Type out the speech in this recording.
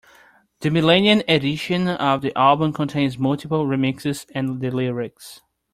The millennium edition of the album contains multiple remixes and the lyrics.